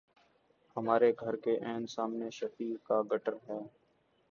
ہمارے گھر کے عین سامنے شفیع کا کٹڑہ ہے۔